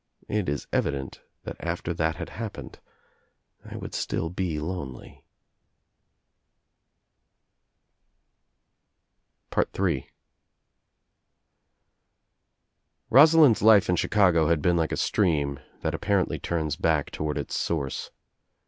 It is evident that after that had happened I would still be lonely/' 206 THE TRIUMPH OF THE EGG III Rosalind's life in Chicago had been like a strcamn that apparently turns back toward its source.